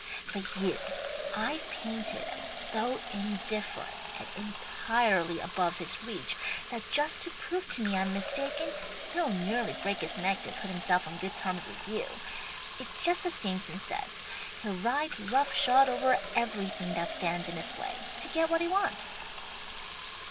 "But you I've painted as so indifferent and entirely above his reach, that just to prove to me I'm mistaken, he'll nearly break his neck to put himself on good terms with you. It's just as Jameson says, he'll ride rough shod over everything that stands in his way, to get what he wants."